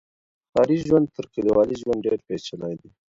ښاري ژوند تر کلیوالي ژوند ډیر پیچلی دی.